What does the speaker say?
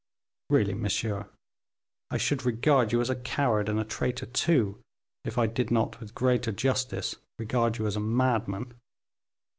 Really, monsieur, I should regard you as a coward, and a traitor too, if I did not, with greater justice, regard you as a madman."